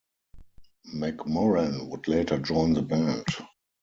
McMorran would later join the band.